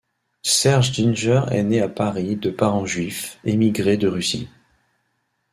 Serge Ginger est né à Paris de parents juifs, émigrés de Russie.